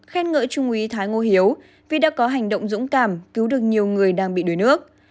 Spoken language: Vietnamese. khen ngỡ trung úy thái ngô hiếu vì đã có hành động dũng cảm cứu được nhiều người đang bị đuối nước